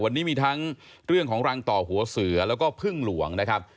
วันนี้มีทั้งเรื่องของรังต่อหัวเสือแล้วก็พึ่งหลวงนะครับ